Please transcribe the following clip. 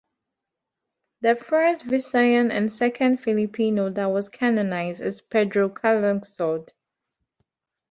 The first Visayan and second Filipino that was canonized is Pedro Calungsod.